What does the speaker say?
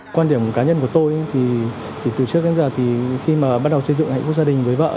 quan điểm cá nhân của tôi thì từ trước đến giờ thì khi mà bắt đầu xây dựng hạnh phúc gia đình với vợ